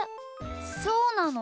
そうなの？